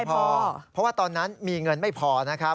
เพราะว่าตอนนั้นมีเงินไม่พอนะครับ